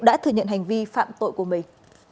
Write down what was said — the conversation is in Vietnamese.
đã thừa nhận hành vi phạm tội của mình